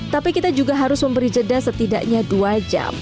tapi kita juga harus memberi jeda setidaknya dua jam